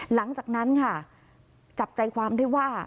หลังจากนั้นค่ะจับใจความได้ว่า